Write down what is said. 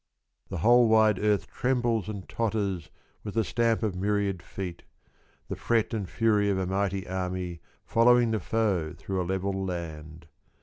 The whole wide Earth trembles and totters With the stamp of myriad feet : The fret and fury of a mighty army Following the foe through a level land.